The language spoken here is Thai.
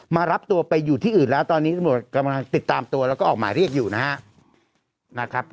มารับตัวไปอยู่ที่อื่นแล้วตอนนี้ตำรวจกำลังติดตามตัวแล้วก็ออกหมายเรียกอยู่นะครับ